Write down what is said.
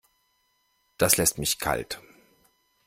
Das lässt mich kalt.